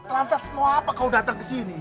lantas mau apa kau datang ke sini